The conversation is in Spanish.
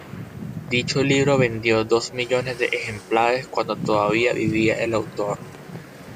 Dicho libro vendió dos millones de ejemplares cuando todavía vivía el autor.